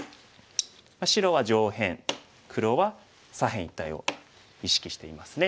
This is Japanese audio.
白は上辺黒は左辺一帯を意識していますね。